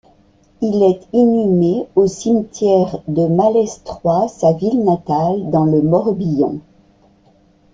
Il est inhumé au cimetière de Malestroit, sa ville natale, dans le Morbihan.